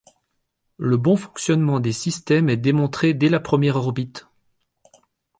Le bon fonctionnement des systèmes est démontré dès la première orbite.